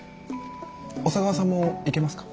小佐川さんも行けますか？